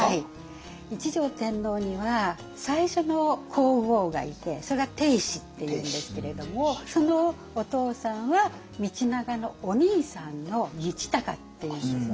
一条天皇には最初の皇后がいてそれが定子っていうんですけれどもそのお父さんは道長のお兄さんの道隆っていうんですね。